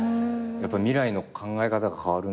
やっぱり未来の考え方が変わるんで。